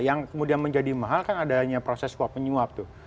yang kemudian menjadi mahal kan adanya proses swap penyuap tuh